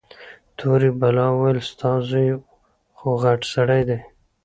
تورې بلا وويل ستا زوى خوغټ سړى دى.